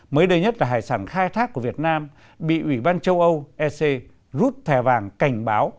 mới đây nhất là hải sản khai thác của việt nam bị ủy ban châu âu ec rút thẻ vàng cảnh báo